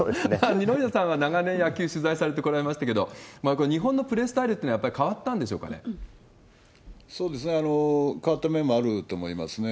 二宮さんは、長年野球取材されてこられましたけれども、これ、日本のプレースタイルっていうのはやっぱり変わったんでしょうか変わった面もあると思いますね。